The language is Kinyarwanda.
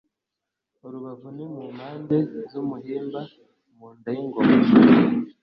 urubavu ni mu mpande z'umuhimba Mu nda y'ingoma